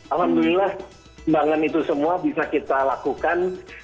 alhamdulillah sembangan itu semua bisa kita lakukan